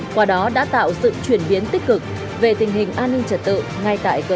qua đó đã tạo sự chuyển biến tích cực về tình hình an ninh trật tự ngay tại cơ sở